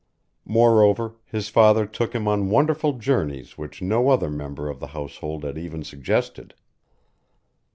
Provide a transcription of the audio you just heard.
Moreover, his father took him on wonderful journeys which no other member of the household had even suggested.